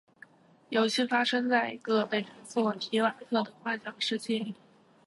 游戏发生在一个被称作「提瓦特」的幻想世界。